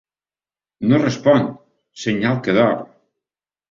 No respon: senyal que dorm.